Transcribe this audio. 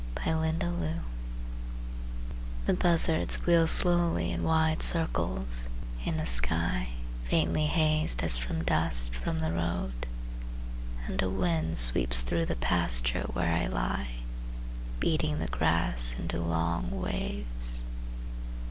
Dillard Sissman The buzzards wheel slowly In wide circles, in a sky Faintly hazed as from dust from the road. And a wind sweeps through the pasture where I lie Beating the grass into long waves.